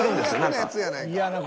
最悪なやつやないか。